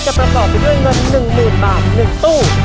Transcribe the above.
จะประกอบไปด้วยเงินหนึ่งหมื่นบาทหนึ่งตู้